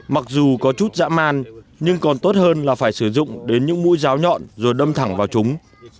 mặc dù có chút dã man nhưng còn tốt hơn là phải sử dụng đến những mũi giáo nhọn rồi đâm thẳng vào chúng